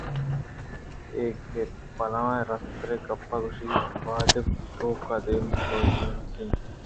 کہ اے بلاہیں رستر گپّ ءِ گوٛشدارگ ءِ وہد ءَ وتی گوشاں دائم چو گوٛاگیچن ءَ سُرینیت